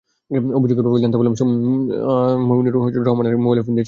অভিযোগের ব্যাপারে জানতে মোমিনুর রহমান মোমিজের মোবাইলে ফোন দিয়ে সেটি বন্ধ পাওয়া গেছে।